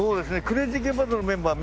クレイジーケンバンドのメンバー